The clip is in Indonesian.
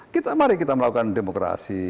kita mari kita melakukan demokrasi